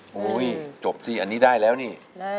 โอ้โหจบสิอันนี้ได้แล้วนี่